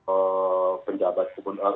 ee penjabat gubernur